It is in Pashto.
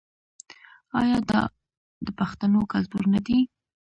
آیا دا د پښتنو کلتور نه دی؟